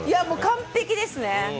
完璧ですね